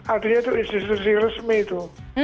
artinya itu institusi resmi itu